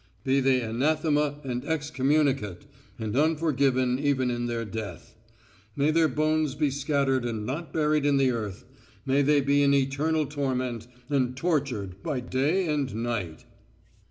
be they anathema and excommunicate, and unforgiven even in their death; may their bones be scattered and not buried in the earth; may they be in eternal torment, and tortured by day and night...."